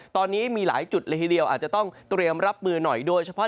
ตอนนี้มีหลายจุดหลายที่เดียวอาจจะต้องตี่เรียมรับมือหน่อย